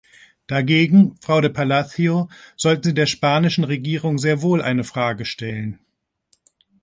Dagegen, Frau de Palacio, sollten Sie der spanischen Regierung sehr wohl eine Frage stellen.